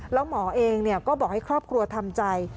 แล้วหมอเองก็บอกให้ครอบครัวทำใจ